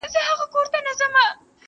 یو یار دي زه یم نور دي څو نیولي دینه!